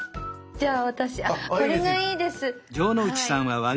じゃあ僕これがいいです。